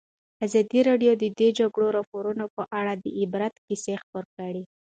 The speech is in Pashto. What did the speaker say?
ازادي راډیو د د جګړې راپورونه په اړه د عبرت کیسې خبر کړي.